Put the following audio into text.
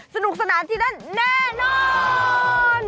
สนุกสนานที่นั่นแน่นอน